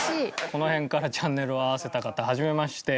この辺からチャンネルを合わせた方はじめまして。